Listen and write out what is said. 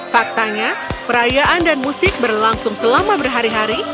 faktanya perayaan dan musik berlangsung selama berhari hari